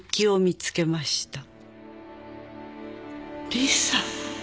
リサ